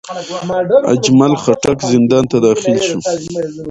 اجمل خټک زندان ته داخل شو.